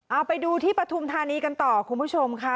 เอาไปดูที่ปฐุมธานีกันต่อคุณผู้ชมค่ะ